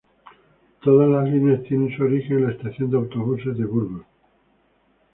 Todas las líneas tienen su origen en la Estación de Autobuses de Burgos.